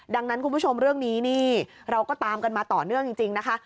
ดังนั้นคุณผู้ชมเรื่องนี้นี่เราก็ตามกันมาต่อเนื่องจริงนะคะ